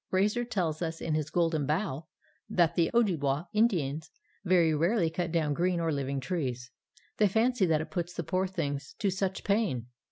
Frazer tells us in his Golden Bough that the Ojibwa Indians very rarely cut down green or living trees; they fancy that it puts the poor things to such pain.